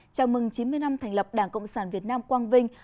chào mừng chín mươi năm thành lập đảng cộng sản việt nam quang vinh